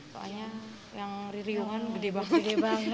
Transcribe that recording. soalnya yang ririungan gede banget